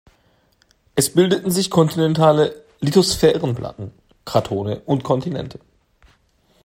Es bildeten sich kontinentale Lithosphärenplatten, Kratone und Kontinente.